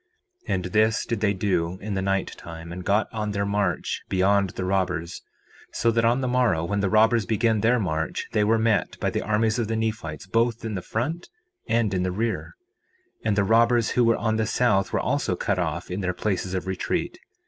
4:25 And this did they do in the night time, and got on their march beyond the robbers, so that on the morrow, when the robbers began their march, they were met by the armies of the Nephites both in their front and in their rear. 4:26 And the robbers who were on the south were also cut off in their places of retreat.